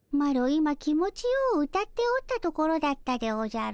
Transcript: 今気持ちよう歌っておったところだったでおじゃる。